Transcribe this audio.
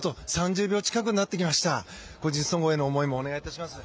個人総合への思いもお願いします。